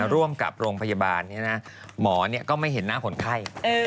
ร่วมกับโรงพยาบาลหมอก็ไม่เห็นหน้าคนไข้